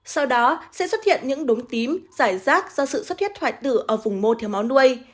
sau đó sẽ xuất hiện những đống tím giải rác do sự xuất huyết hoại tử ở vùng mô thiếu máu nuôi